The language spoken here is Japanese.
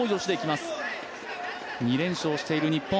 ２連勝している日本。